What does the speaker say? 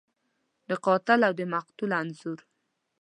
د قاتل او د مقتول انځور